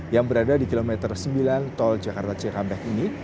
yang berada di kilometer sembilan tol jakarta cikampek ini